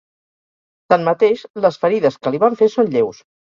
Tanmateix, les ferides que li van fer són lleus.